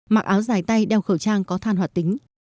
mặc áo dài tay đeo khẩu trang có than hoạt tính